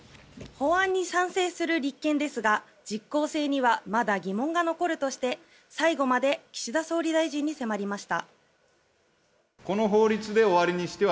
法案に賛成する立憲ですが実効性にはまだ疑問が残るとして最後まで岸田総理大臣に迫りました。